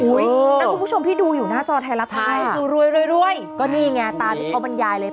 อุ๊ยแต่คุณผู้ชมพี่ดูอยู่หน้าจอไทยละค่ะดูรวยนี่ค่ะตามสิทธิ์ธรรมนิยายเลย